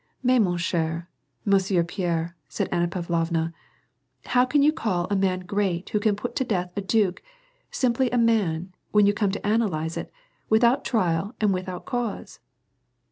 " MaiSf man eher Monsieur Pierre," said Anna Pavlovna, " how can you call a man great who can put to death a duke, simply a man, when you come to analyze it, without trial and without cause